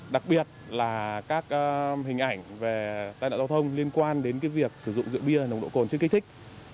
đặc biệt là các hình ảnh về tai nạn giao thông liên quan đến việc sử dụng rượu bia nồng độ cồn trước kích thích